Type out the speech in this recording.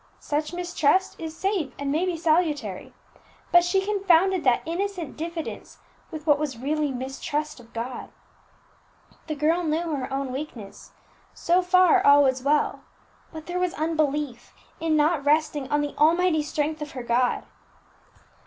Such mistrust is safe and may be salutary; but she confounded that innocent diffidence with what was really mistrust of God. The girl knew her own weakness; so far, all was well; but there was unbelief in not resting on the almighty strength of her God.